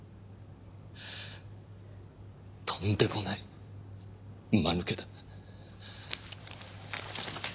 とんでもない間抜けだ。